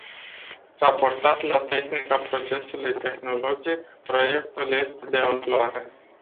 Raportat la tehnica procesului tehnologic, proiectul este de amploare